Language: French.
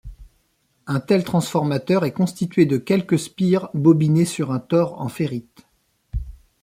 Un tel transformateur est constitué de quelques spires bobinées sur un tore en ferrite.